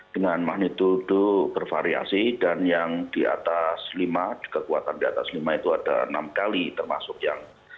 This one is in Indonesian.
dengan magnitudo bervariasi dan yang di atas lima kekuatan di atas lima itu ada enam kali termasuk yang